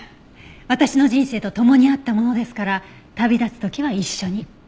私の人生と共にあったものですから旅立つ時は一緒に。